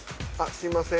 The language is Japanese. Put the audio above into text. すみません